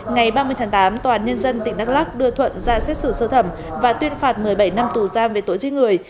ngày ba mươi tháng tám tòa án nhân dân tỉnh đắk lắc đưa thuận ra xét xử sơ thẩm và tuyên phạt một mươi bảy năm tù giam về tội giết người